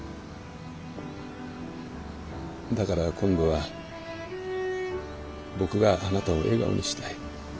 だから今度は僕があなたを笑顔にしたい。